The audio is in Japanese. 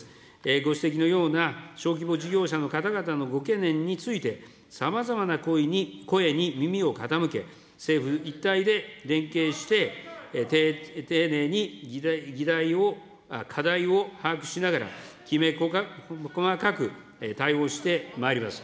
ご指摘のような小規模事業者の方々のご懸念について、さまざまな声に耳を傾け、政府一体で連携して、丁寧に課題を把握しながら、きめ細かく対応してまいります。